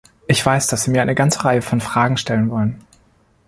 Ich weiß, dass Sie mir eine ganze Reihe von Fragen stellen wollen.